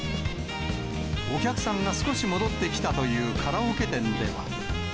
お客さんが少し戻ってきたというカラオケ店では。